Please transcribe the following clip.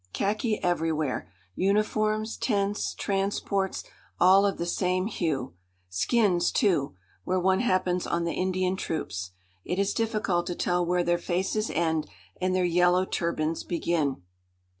Khaki everywhere uniforms, tents, transports, all of the same hue. Skins, too, where one happens on the Indian troops. It is difficult to tell where their faces end and their yellow turbans begin.